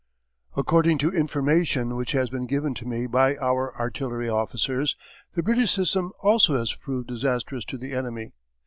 According to information which has been given to me by our artillery officers, the British system also has proved disastrous to the enemy.